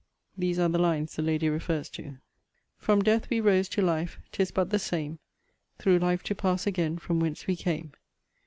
These are the lines the lady refers to: From death we rose to life: 'tis but the same, Through life to pass again from whence we came.